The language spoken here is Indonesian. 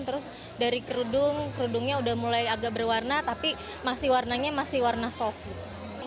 terus dari kerudung kerudungnya udah mulai agak berwarna tapi masih warnanya masih warna soft gitu